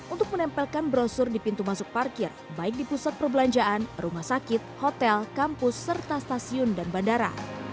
untuk menempelkan brosur di pintu masuk parkir baik di pusat perbelanjaan rumah sakit hotel kampus serta stasiun dan bandara